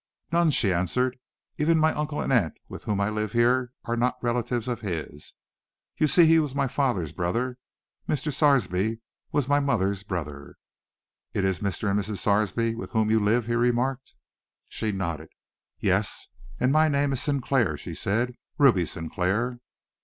"None," she answered. "Even my uncle and aunt with whom I live here are not relatives of his. You see, he was my father's brother. Mr. Sarsby was my mother's brother." "It is Mr. and Mrs. Sarsby with whom you live?" he remarked. She nodded. "Yes! And my name is Sinclair," she said, "Ruby Sinclair."